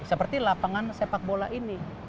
seperti lapangan sepak bola ini